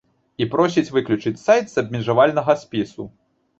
І просіць выключыць сайт з абмежавальнага спісу.